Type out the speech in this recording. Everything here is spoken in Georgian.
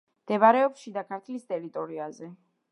მდებარეობს შიდა ქართლის ტერიტორიაზე.